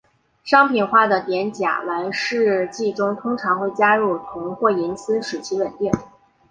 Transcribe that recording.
商品化的碘甲烷试剂中通常会加入铜或银丝使其稳定。